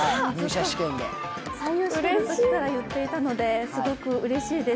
採用時から言っていたので、すごくうれしいです。